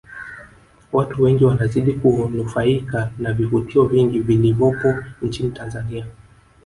Watu wengi wanazidi kunufaika na vivutio vingi vilivopo nchini Tanzania